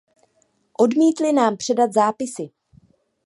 Odmítli nám předat zápisy.